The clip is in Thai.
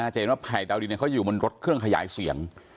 อาจจะเห็นว่าไผ่เดาดีเนี่ยเค้าอยู่บนรถเครื่องขยายเสี่ยง